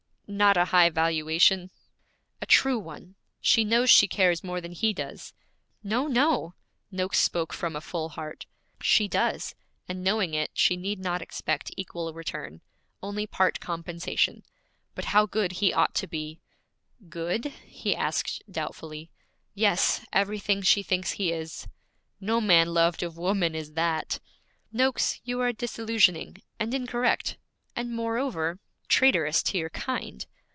'Not a high valuation.' 'A true one; she knows she cares more than he does.' 'No, no!' Noakes spoke from a full heart. 'She does; and knowing it, she need not expect equal return only part compensation. But how good he ought to be!' 'Good?' he asked doubtfully. 'Yes, everything she thinks he is.' 'No man loved of woman is that.' 'Noakes, you are disillusioning, and incorrect, and moreover traitorous to your kind.'